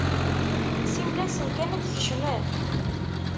Siwel-asen kan ad d-kecmen!